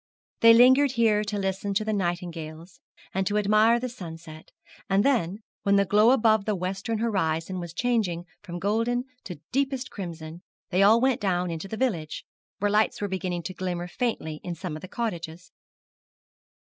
They lingered here to listen to the nightingales, and to admire the sunset; and then, when the glow above the western horizon was changing from golden to deepest crimson, they all went down into the village, where lights were beginning to glimmer faintly in some of the cottages.